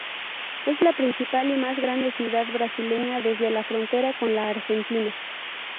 Es la principal y más grande ciudad brasileña desde la frontera con la Argentina.